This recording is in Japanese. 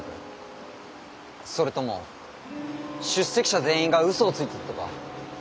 それとも出席者全員がうそをついているとか？